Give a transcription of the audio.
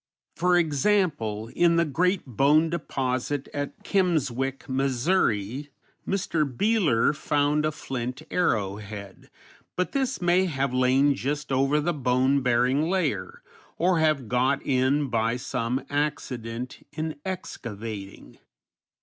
For example, in the great bone deposit at Kimmswick, Mo., Mr. Beehler found a flint arrowhead, but this may have lain just over the bone bearing layer, or have got in by some accident in excavating.